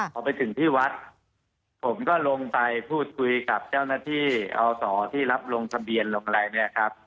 พอไปถึงที่วัดผมก็ลงไปพูดคุยกับเจ้าหน้าที่อศที่รับลงทะเบียนลงอะไรเนี่ยครับ